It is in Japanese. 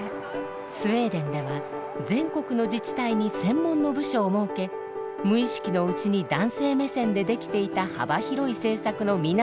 スウェーデンでは全国の自治体に専門の部署を設け無意識のうちに男性目線で出来ていた幅広い政策の見直しを進めています。